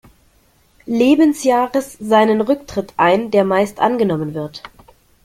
Lebensjahres seinen Rücktritt ein, der meist angenommen wird.